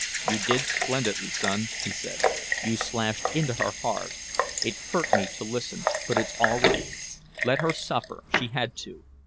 "You did splendidly, son," he said. "You slashed into her hard. It hurt me to listen but it's all right. Let her suffer she had to.